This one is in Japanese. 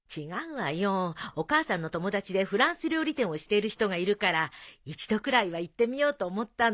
お母さんの友達でフランス料理店をしている人がいるから一度くらいは行ってみようと思ったの。